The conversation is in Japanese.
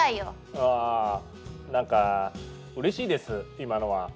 あぁなんかうれしいです今のは。